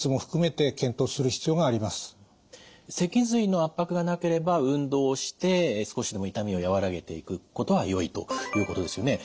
脊髄の圧迫がなければ運動をして少しでも痛みを和らげていくことはよいということですよね。